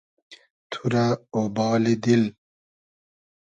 تو رۂ اۉبالی دیل